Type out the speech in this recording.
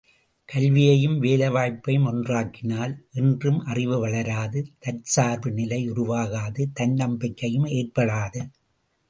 கல்வியையும் வேலை வாய்ப்பையும் ஒன்றாக்கினால் என்றும் அறிவு வளராது தற்சார்பு நிலை உருவாகாது தன்னம்பிக்கையும் ஏற்படாது.